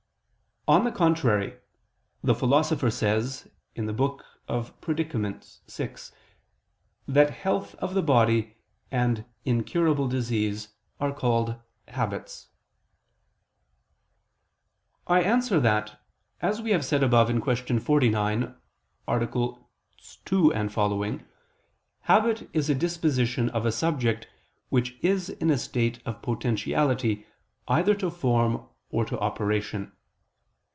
On the contrary, The Philosopher says in the Book of Predicaments (De Categor. vi) that health of the body and incurable disease are called habits. I answer that, As we have said above (Q. 49, AA. 2 seqq.), habit is a disposition of a subject which is in a state of potentiality either to form or to operation.